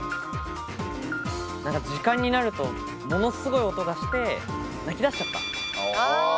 時間になると、ものすごい音がして、泣き出しちゃった。